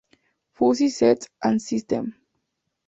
Fuzzy Sets and Systems.